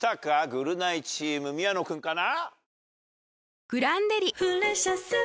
「ぐるナイチーム」宮野君かな？